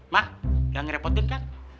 mak gak ngerepotin kak